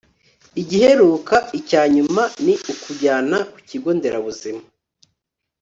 igiheruka(icyanyuma) ni ukujyana kukigonderabuzima